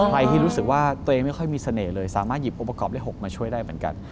ใครที่รู้สึกว่าตัวเองไม่ค่อยมีเสน่ห์เลยสามารถหยิบองค์ประกอบเลข๖มาช่วยได้เหมือนกัน